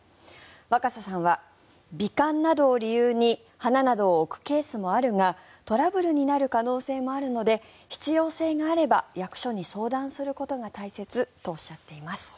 若狭さんは、美観などを理由に花などを置くケースもあるがトラブルになる可能性もあるので必要性があれば役所に相談することが大切とおっしゃっています。